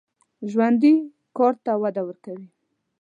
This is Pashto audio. ژوندي کار ته وده ورکوي